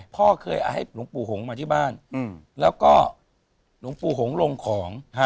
พ่อเคยให้หลวงปู่หงมาที่บ้านแล้วก็หลวงปู่หงลงของ